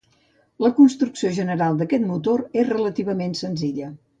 La construcció general d'aquest motor és relativament senzilla.